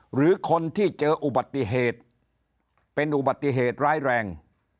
หรือคนที่เจออุบัติเหตุเป็นอุบัติเหตุร้ายแรง